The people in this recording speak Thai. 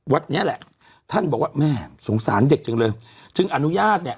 เนี้ยแหละท่านบอกว่าแม่สงสารเด็กจังเลยจึงอนุญาตเนี่ย